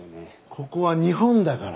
ここは日本だから。